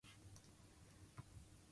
猫を飼っていて、毎日癒されています。